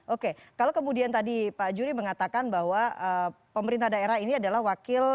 oke kalau kemudian tadi pak juri mengatakan bahwa pemerintah daerah ini adalah wakil